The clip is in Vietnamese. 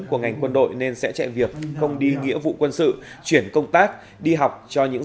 của ngành quân đội nên sẽ chạy việc không đi nghĩa vụ quân sự chuyển công tác đi học cho những